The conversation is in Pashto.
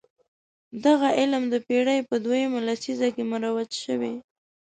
دغه علم د پېړۍ په دویمه لسیزه کې مروج شوی.